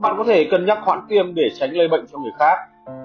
bạn có thể cân nhắc khoản tiêm để tránh lây bệnh cho người khác